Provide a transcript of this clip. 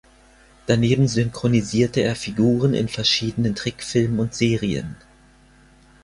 Daneben synchronisierte er Figuren in verschiedenen Trickfilmen und Serien.